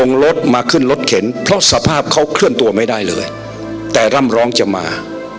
รถมาขึ้นรถเข็นเพราะสภาพเขาเคลื่อนตัวไม่ได้เลยแต่ร่ำร้องจะมา